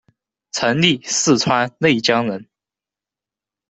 陈力，四川内江人。